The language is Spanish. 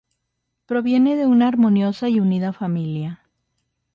Proviene de una armoniosa y unida familia.